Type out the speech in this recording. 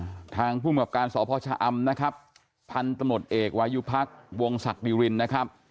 ทางภูมิกับการสพชะอำนะครับพันธุ์ตำรวจเอกวายุพักวงศักดิรินนะครับ